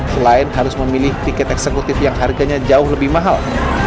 selain harus memilih tiket eksekutif yang harganya jauh lebih mahal